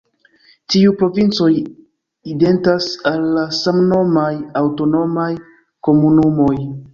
Tiuj provincoj identas al la samnomaj aŭtonomaj komunumoj.